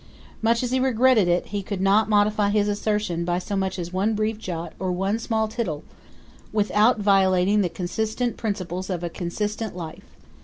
Much as he regretted it, he could not modify his assertion by so much as one brief jot or one small tittle without violating the consistent principles of a consistent life.